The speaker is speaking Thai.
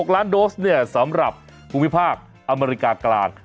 ๖ล้านโดสเนี่ยสำหรับภูมิภาคอเมริกากลาง